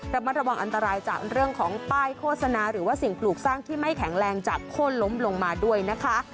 ระมัดระวังอันตรายจากเรื่องของป้ายโฆษณาหรือว่าสิ่งปลูกสร้างที่ไม่แข็งแรงจากโค้นล้มลงมาด้วยนะคะ